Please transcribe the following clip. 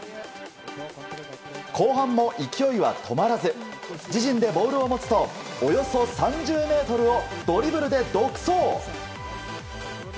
後半も勢いは止まらず自陣でボールを持つとおよそ３０ｍをドリブルで独走！